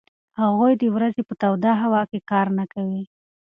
هغوی د ورځې په توده هوا کې کار نه کوي.